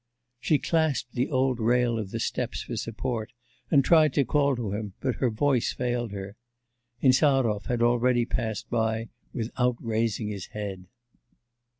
She clasped the old rail of the steps for support, and tried to call to him, but her voice failed her... Insarov had already passed by without raising his head.